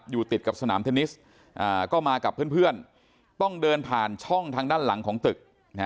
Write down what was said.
อยู่ติดกับสนามเทนนิสก็มากับเพื่อนต้องเดินผ่านช่องทางด้านหลังของตึก